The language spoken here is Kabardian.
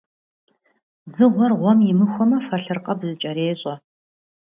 Дзыгъуэр гъуэм имыхуэмэ, фэлъыркъэб зыкӀэрещӀэ.